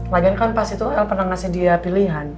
lagian kan pas itu l pernah ngasih dia pilihan